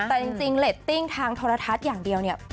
แต่จริงเรตติ้งทางโทรทัศน์อย่างเดียวเนี่ย